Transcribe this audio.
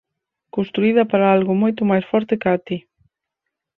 Construída para algo moito máis forte ca ti.